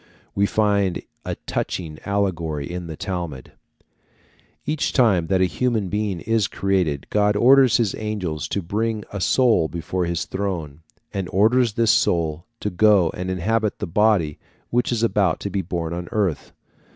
We find a touching allegory in the Talmud. Each time that a human being is created God orders his angels to bring a soul before his throne, and orders this soul to go and inhabit the body which is about to be born on earth.